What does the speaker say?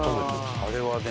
あれはね